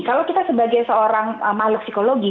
kalau kita sebagai seorang mahluk psikolog